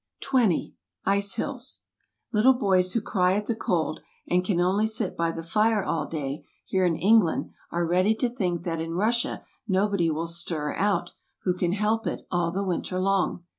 20 . Ice kills. Little boys who cry at the cold, and can only sit by the fire all day, here in England, are ready to think that in Russia nobody will stir out, who can help it, all the winter long.